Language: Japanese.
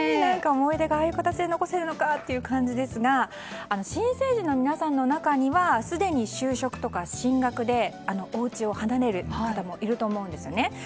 思い出がああいう形で残せるのかという感じですが新成人の皆さんの中にはすでに就職とか進学でおうちを離れる方もいると思うんですね。